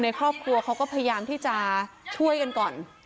ครอบครัวเขาก็พยายามที่จะช่วยกันก่อน